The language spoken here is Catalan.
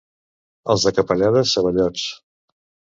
Els de Capellades, ceballots.